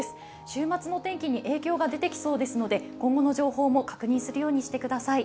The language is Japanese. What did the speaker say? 週末の天気に影響が出てきそうですので今後の情報も確認するようにしてください。